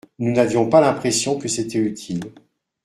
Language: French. Nous n’avions pas l’impression que c’était utile.